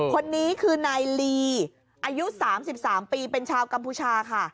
คนนี้คือนายลีอายุ๓๓ปีเป็นชาวกัมพูชาค่ะ